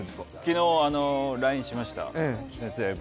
昨日、ＬＩＮＥしました。